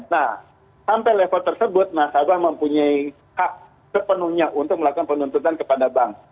nah sampai level tersebut nasabah mempunyai hak sepenuhnya untuk melakukan penuntutan kepada bank